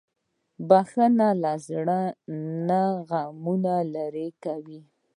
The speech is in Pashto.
• بښل له زړه نه غمونه لېرې کوي.